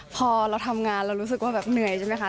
พอเราทำงานเรารู้สึกเหนื่อยใช่มั้ยคะ